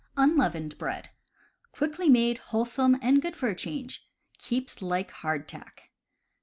Unleavened Bread. — Quickly made, wholesome, and good for a change. Keeps like hardtack.